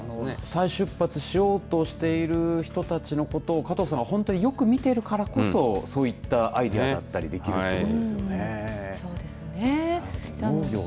再出発しようとしている人たちのことを加藤さんが本当によく見ているからこそそういったアイデアだったりできるということですよね。